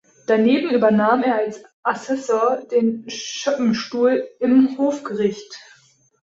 Daneben übernahm er als Assessor den Schöppenstuhl im Hofgericht.